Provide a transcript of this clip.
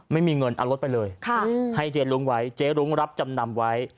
ไม่มีเงินเอารถไปเลยให้เจ๊รุ้งไว้เจ๊รุ้งรับจำนำไว้